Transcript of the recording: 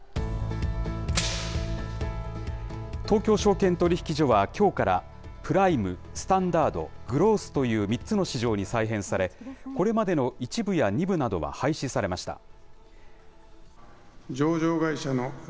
東京証券取引所は、きょうからプライム、スタンダード、グロースという３つの市場に再編され、これまでの１部や２部などは廃止されました。